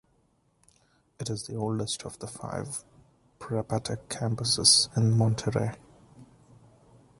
It is the oldest of the five PrepaTec campuses in Monterrey.